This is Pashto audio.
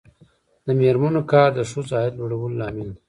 د میرمنو کار د ښځو عاید لوړولو لامل دی.